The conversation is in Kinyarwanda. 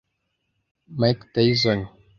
Mike Tyson